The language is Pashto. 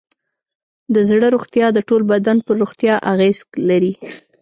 د زړه روغتیا د ټول بدن پر روغتیا اغېز لري.